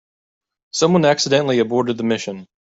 Someone accidentally aborted the mission.